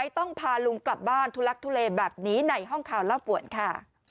ต้องพาลุงกลับบ้านทุลักทุเลแบบนี้ในห้องข่าวเล่าป่วนค่ะ